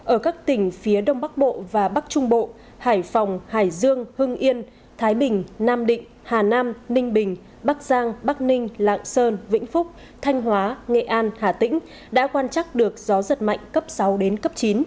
ở các tỉnh phía đông bắc bộ và bắc trung bộ hải phòng hải dương hưng yên thái bình nam định hà nam ninh bình bắc giang bắc ninh lạng sơn vĩnh phúc thanh hóa nghệ an hà tĩnh đã quan trắc được gió giật mạnh cấp sáu đến cấp chín